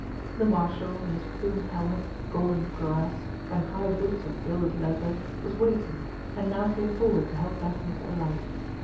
The Marshal, in his plumed helmet, golden cuirass, and high boots of gilded leather, was waiting, and now came forward to help Daphne to alight.